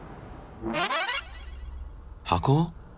箱？